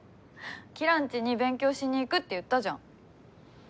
キラんちに勉強しに行くって言ったじゃん。